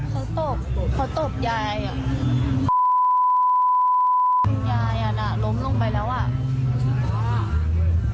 เขาตบเขาตบยายอ่ะคุณยายอ่ะน่ะล้มลงไปแล้วอ่ะ